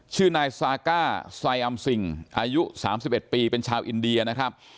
ชื่อนายซาก้าไซอัมซิงอายุ๓๑ปีเป็นชาวอินเดียนะครับ